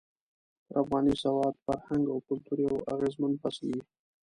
پر افغاني سواد، فرهنګ او کلتور يو اغېزمن فصل وي.